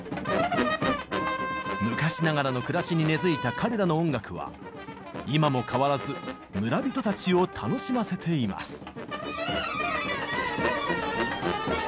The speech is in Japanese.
昔ながらの暮らしに根づいた彼らの音楽は今も変わらず村人たちを楽しませています。